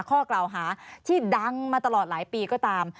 ข้อกล่าวหาที่ดังมาตลอดหลายปีก็ตาม